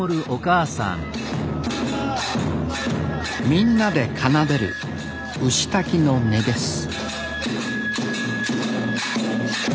みんなで奏でる牛滝の音です